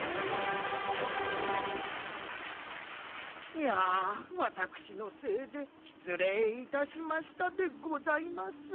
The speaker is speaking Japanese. いやワタクシのせいでしつれいいたしましたでございます。